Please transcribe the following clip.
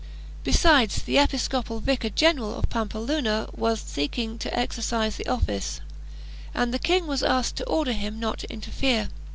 Besides, the episcopal vicar general of Pampeluna was seeking to exercise the office, and the king was asked to order him not to interfere.